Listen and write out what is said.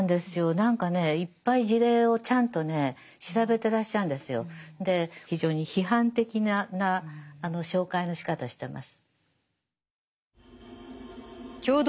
何かねいっぱい事例をちゃんとね調べてらっしゃるんですよ。で非常に批判的な紹介のしかたしてます。